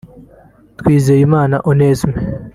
Twizeyimana Onesme